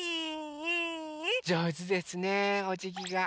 じょうずですねおじぎが。